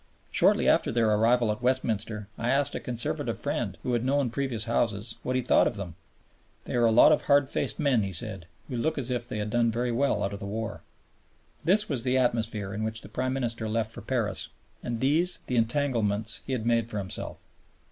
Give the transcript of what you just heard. Shortly after their arrival at Westminster I asked a Conservative friend, who had known previous Houses, what he thought of them. "They are a lot of hard faced men," he said, "who look as if they had done very well out of the war." This was the atmosphere in which the Prime Minister left for Paris, and these the entanglements he had made for himself.